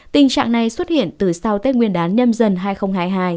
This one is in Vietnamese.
tình trạng này xuất hiện từ sau tết nguyên đán nhâm dần hai nghìn hai mươi hai